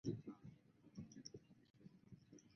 请国君派人替我给子重进酒。